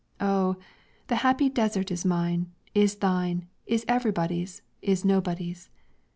Oh! the happy desert is mine, is thine, is everybody's, is nobody's.